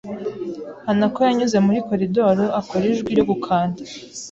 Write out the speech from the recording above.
Hanako yanyuze muri koridoro akora ijwi ryo gukanda.